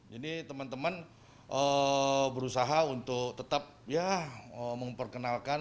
jadi teman teman berusaha untuk tetap memperkenalkan